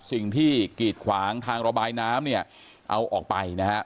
กีดขวางทางระบายน้ำเนี่ยเอาออกไปนะฮะ